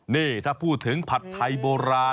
นี่ถ้าพูดถึงผัดไทยโบราณ